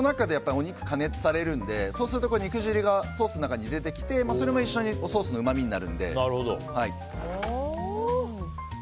お肉が中で加熱されるのでそうすると肉汁がソースの中に出てきてそれも一緒にソースのうまみになるので。